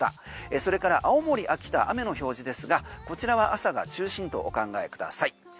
それから青森、秋田雨の表示ですがこちらは朝が中心とお考えください。